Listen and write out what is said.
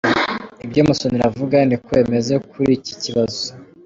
Ibyo Musonera avuga niko bimeze kuli iki kibazo.